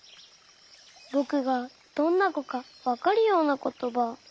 ぼくがどんなこかわかるようなことば。